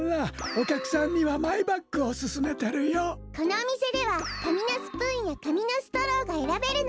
このおみせではかみのスプーンやかみのストローがえらべるの。